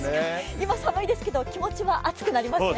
今寒いですけど気持ちは熱くなりますね。